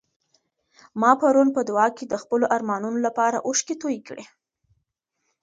ما پرون په دعا کي د خپلو ارمانونو لپاره اوښکې تویې کړې.